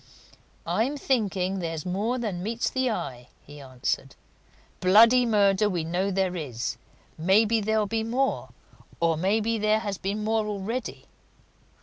"I'm thinking there's more than meets the eye," he answered. "Bloody murder we know there is maybe there'll be more, or maybe there has been more already.